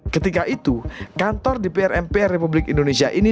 ketika itu kantor dpr mpr republik indonesia ini